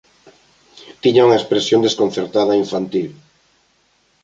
Tiña unha expresión desconcertada e infantil.